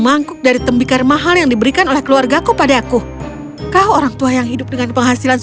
aku akan mulai mandi